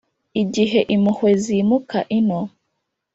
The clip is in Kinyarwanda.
Igihe impuhwe zimuka ino